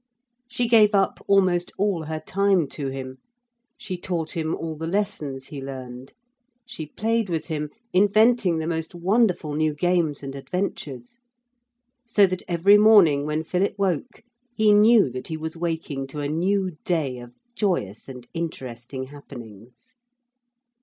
She gave up almost all her time to him; she taught him all the lessons he learned; she played with him, inventing the most wonderful new games and adventures. So that every morning when Philip woke he knew that he was waking to a new day of joyous and interesting happenings.